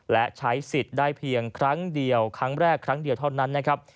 และใช้สิทธิ์ได้เพียงครั้งเดียวครั้งแรกครั้งเดียวเท่านั้นนะครับ